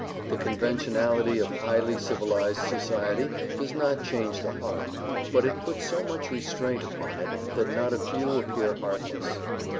The conventionality of highly civilized society does not change the heart, but it puts so much restraint upon it that not a few appear heartless.